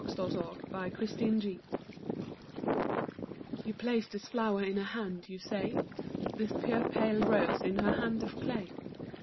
A FLOWER FOR THE DEAD You placed this flower in her hand, you say ? This pure, pale rose in her hand of clay